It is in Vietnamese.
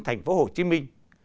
thành phố hồ chí minh